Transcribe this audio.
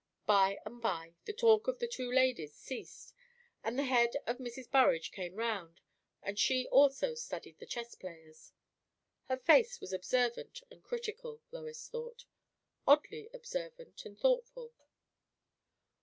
By and by the talk of the two ladies ceased, and the head of Mrs. Burrage came round, and she also studied the chess players. Her face was observant and critical, Lois thought; oddly observant and thoughtful.